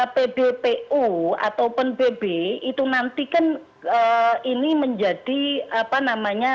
pbpu atau pnpb itu nanti kan ini menjadi apa namanya menjadi bagian kewajiban